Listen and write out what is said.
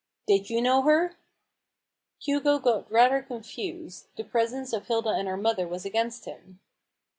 " Did you know her ?" Hugo got rather confused : the presence of Hilda and her mother was against him.